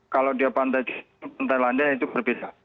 kalau dia pantai di pantai landa itu berbeda